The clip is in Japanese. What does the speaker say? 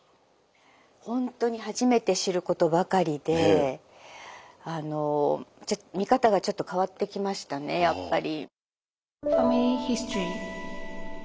ほんとに初めて知ることばかりで見方がちょっと変わってきましたねやっぱり。